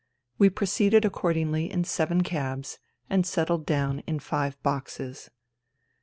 We proceeded accordingly in seven cabs and settled down in five boxes.